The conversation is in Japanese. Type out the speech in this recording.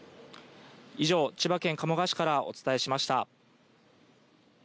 以上、千葉県鴨川市からお伝えしました。